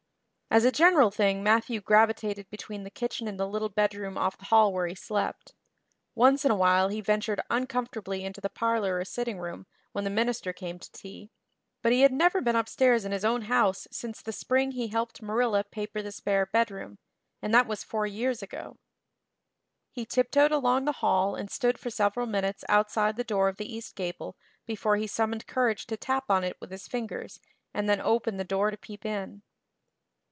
As a general thing Matthew gravitated between the kitchen and the little bedroom off the hall where he slept; once in a while he ventured uncomfortably into the parlor or sitting room when the minister came to tea. But he had never been upstairs in his own house since the spring he helped Marilla paper the spare bedroom, and that was four years ago. He tiptoed along the hall and stood for several minutes outside the door of the east gable before he summoned courage to tap on it with his fingers and then open the door to peep in.